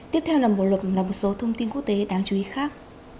tiếp theo là một luật là một số thông tin quốc tế đáng chú ý khác